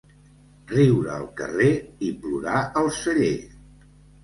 Riure al carrer i plorar al celler.